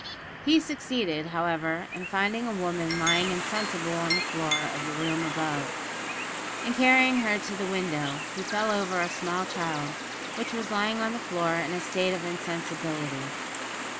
He succeeded, however, in finding a woman lying insensible on the floor of the room above. In carrying her to the window he fell over a small child, which was lying on the floor in a state of insensibility.